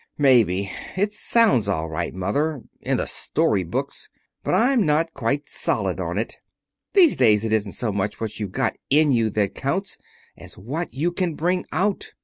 "Maybe. It sounds all right, Mother in the story books. But I'm not quite solid on it. These days it isn't so much what you've got in you that counts as what you can bring out.